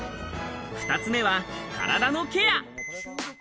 ２つ目は体のケア。